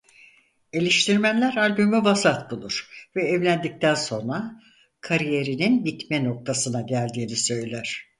Eleştirmenler albümü vasat bulur ve evlendikten sonra kariyerinin bitme noktasına geldiğini söyler.